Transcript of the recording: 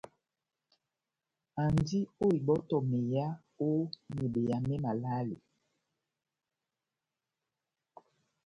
Andi ó ibɔtɔ meyá ó mebeya mé malale.